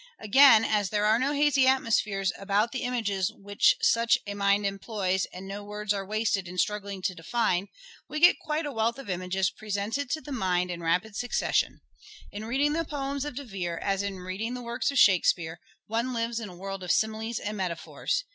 Again, as there are no hazy atmospheres about the Richness of images which such a mind employs and no words are imagery, wasted in struggling to define, we get quite a wealth of images presented to the mind in rapid succession In reading the poems of De Vere, as in reading the works of Shakespeare, one lives in a world of similes and metaphors.